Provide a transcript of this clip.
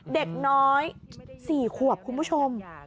เด็กน้อย๔ขวบคุณผู้ชม